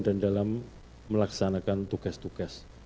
dan dalam melaksanakan tugas tugas